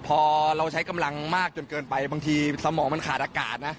พอเราใช้กำลังมากจนเกินไปบางทีสมองมันขาดอากาศนะ